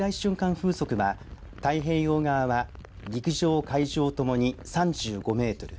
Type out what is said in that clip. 風速は太平洋側は陸上、海上ともに３５メートル